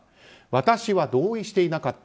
私は同意していなかった。